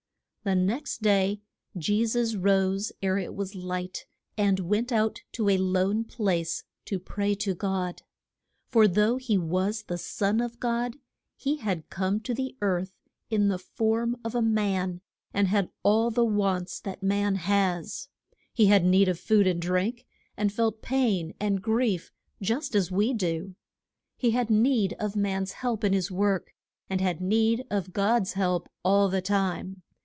The next day Je sus rose ere it was light and went out to a lone place to pray to God. [Illustration: PE TER'S WIFE'S MO THER.] For though he was the Son of God, he had come to the earth in the form of a man, and had all the wants that man has. He had need of food and drink, and felt pain and grief just as we do. He had need of man's help in his work; and had need of God's help all the time.